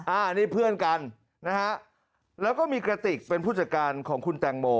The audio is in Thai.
อันนี้เพื่อนกันนะฮะแล้วก็มีกระติกเป็นผู้จัดการของคุณแตงโม